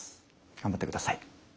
頑張ってください。